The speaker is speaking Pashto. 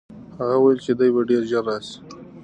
هغه وویل چې دی به ډېر ژر راسي.